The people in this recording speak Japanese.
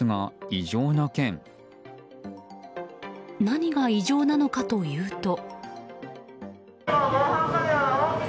何が異常なのかというと。